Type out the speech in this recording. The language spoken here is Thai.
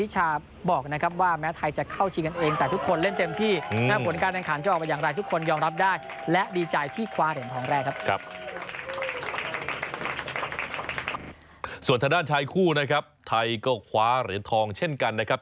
ส่วนทางด้านชายคู่นะครับไทยก็คว้าเหรียญทองเช่นกันนะครับ